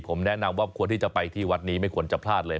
ผมแนะนำว่าควรที่จะไปที่วัดนี้ไม่ควรจะพลาดเลย